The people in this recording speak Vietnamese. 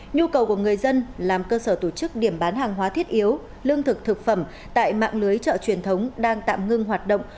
nhu cầu của người dân làm cơ sở tổ chức điểm bán hàng hóa thiết yếu lương thực thực phẩm tại mạng lưới chợ truyền thống đang tạm ngưng hoạt động